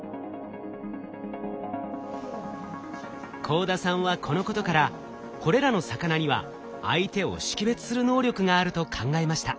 幸田さんはこのことからこれらの魚には相手を識別する能力があると考えました。